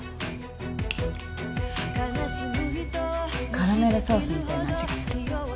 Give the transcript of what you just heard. カラメルソースみたいな味がする